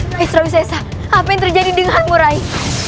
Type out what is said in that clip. raih sriwisesta apa yang terjadi denganmu raih